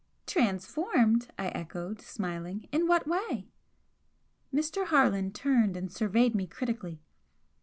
"Transformed?" I echoed, smiling "In what way?" Mr. Harland turned and surveyed me critically.